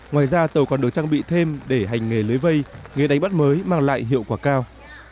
ngoài ra tàu còn được trang bị thêm để hành nghề lưới vây nghề đánh bắt mới mang lại hiệu quả cao